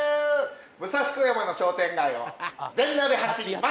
武蔵小山の商店街を全裸で走ります！